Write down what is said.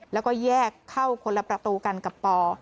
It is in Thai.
แล้วก็แยกเข้าคนละประตูกันกับปอ